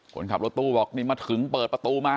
คนขับรถตู้บอกนี่มาถึงเปิดประตูมา